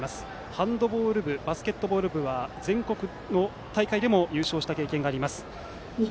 ハンドボール部バスケットボール部は全国大会でも優勝した経験があります。